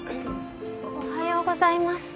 おはようございます。